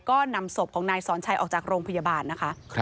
ก็นำศพของนายสอนชัยออกจากโรงพยาบาลนะคะ